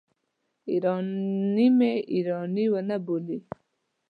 ایراني مې ایراني ونه بولي.